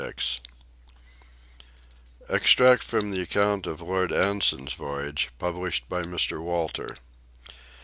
EXTRACT FROM THE ACCOUNT OF LORD ANSON'S VOYAGE, PUBLISHED BY MR. WALTER.